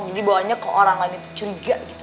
jadi bohongnya kalau orang lain itu curiga gitu